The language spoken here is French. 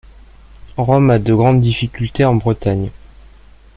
Rome a de grandes difficultés en Bretagne.